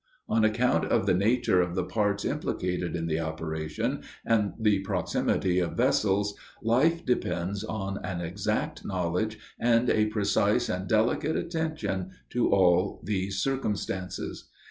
On account of the nature of the parts implicated in the operation, and the proximity of vessels, life depends on an exact knowledge and a precise and delicate attention to all these circumstances.